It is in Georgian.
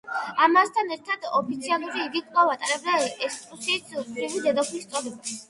ამასთან ერთად ოფიციალურად იგი კვლავ ატარებდა ეტრურიის ქვრივი დედოფლის წოდებას.